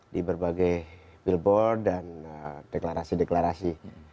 di berbagai billboard dan deklarasi deklarasi